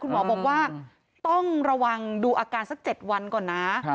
หมอบอกว่าต้องระวังดูอาการสัก๗วันก่อนนะ